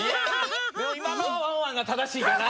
でもいまのはワンワンがただしいけどな。